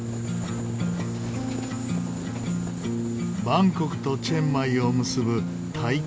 バンコクとチェンマイを結ぶタイ